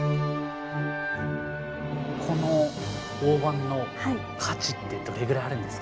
この大判の価値ってどれぐらいあるんですか？